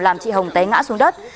làm chị hồng té ngã xuống đất